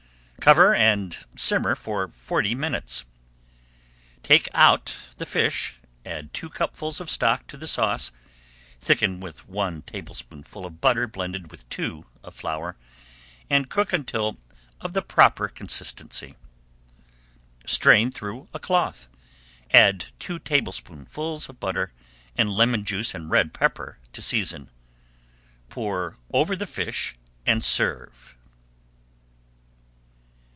Cover and simmer for forty minutes. Take out the fish, add two cupfuls of stock to the sauce, thicken with one tablespoonful of butter blended with two of flour, and cook until of the proper consistency. Strain through a cloth, add two tablespoonfuls of butter, and lemon juice and red pepper to season. Pour over the fish and serve.